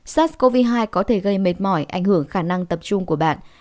sars cov hai có thể gây mệt mỏi ảnh hưởng khả năng tập trung của bạn